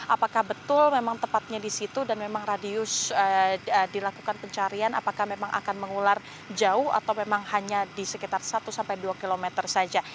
apakah betul memang tepatnya di situ dan memang radius dilakukan pencarian apakah memang akan mengular jauh atau memang hanya di sekitar satu sampai dua kilometer saja